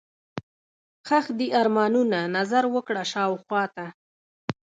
ښخ دي ارمانونه، نظر وکړه شاوخواته